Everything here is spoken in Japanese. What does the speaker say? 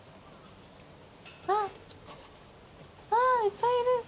あっいっぱいいる。